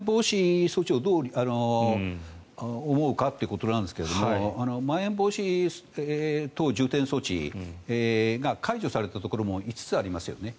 まん延防止措置をどう思うかということなんですけどまん延防止等重点措置が解除されたところも５つありますよね。